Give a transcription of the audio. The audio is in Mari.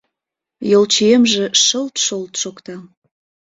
Йолчиемже шылт-шолт шокта.